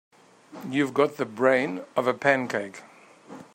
You've got the brain of a pancake.